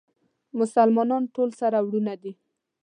مسلمانان ټول سره وروڼه دي